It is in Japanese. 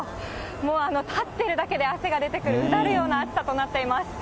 もう立っているだけで汗が出てくる、うだるような暑さとなっています。